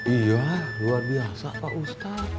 iya luar biasa pak ustadz